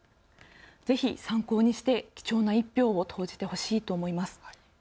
ぜひ参考にして貴重な１票を投じてほしいと思います。